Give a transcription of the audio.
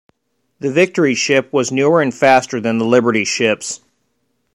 The Victory ship was newer and faster than the Liberty ships.